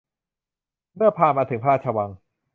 เมื่อพามาถึงพระราชวัง